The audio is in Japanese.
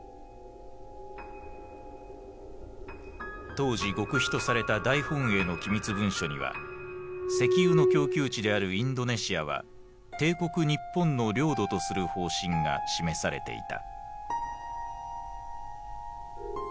当時極秘とされた大本営の機密文書には石油の供給地であるインドネシアは帝国日本の領土とする方針が示されていた。